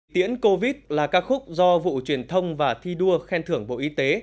tiễn covid là ca khúc do vụ truyền thông và thi đua khen thưởng bộ y tế